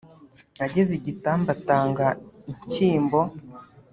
Ageze i Gitamba atanga inshyimbo